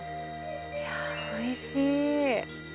いやー、おいしい。